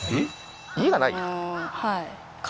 家が無い？